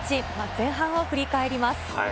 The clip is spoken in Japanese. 前半を振り返ります。